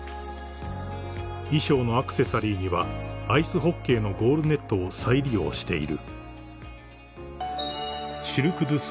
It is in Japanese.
［衣装のアクセサリーにはアイスホッケーのゴールネットを再利用している］